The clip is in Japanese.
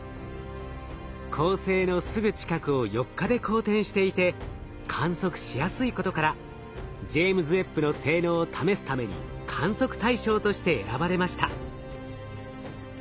恒星のすぐ近くを４日で公転していて観測しやすいことからジェイムズ・ウェッブの性能を試すために観測対象として選ばれました。